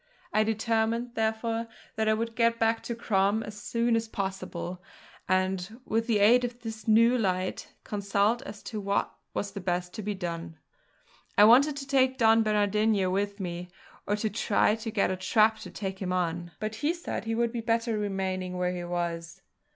I determined, therefore, that I would get back to Crom as soon as possible, and, with the aid of this new light, consult as to what was best to be done. I wanted to take Don Bernardino with me, or to try to get a trap to take him on; but he said he would be better remaining where he was.